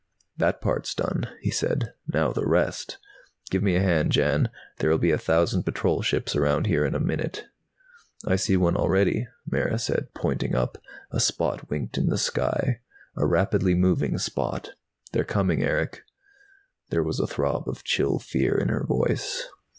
"That part's done," he said. "Now the rest! Give me a hand, Jan. There'll be a thousand patrol ships around here in a minute." "I see one already," Mara said, pointing up. A spot winked in the sky, a rapidly moving spot. "They're coming, Erick." There was a throb of chill fear in her voice.